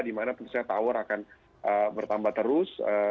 di mana tentu saja tower akan bertambah terus